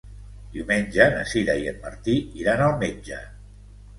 Diumenge na Sira i en Martí iran al metge.